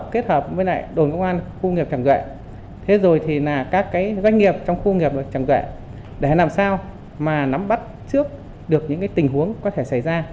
các doanh nghiệp trong khu công nghiệp tràng dệ để làm sao nắm bắt trước những tình huống có thể xảy ra